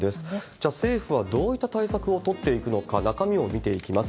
じゃあ、政府はどういった対策を取っていくのか、中身を見ていきます。